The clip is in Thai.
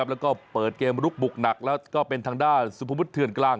แล้วก็เปิดเกมลุกบุกหนักแล้วก็เป็นทางด้านสุภวุฒิเถื่อนกลาง